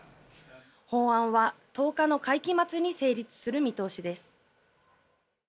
法案は１０日の会期末に成立する見通しです。